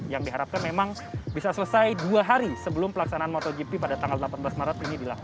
yang diharapkan memang bisa selesai dua hari sebelum pelaksanaan motogp pada tanggal delapan belas maret ini dilakukan